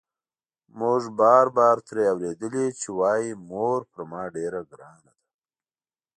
موږ بار بار ترې اورېدلي چې وايي مور پر ما ډېره ګرانه ده.